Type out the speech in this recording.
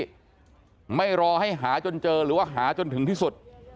กับเจ้าหน้าที่ไม่รอให้หาจนเจอหรือว่าหาจนถึงที่สุด